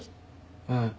うん。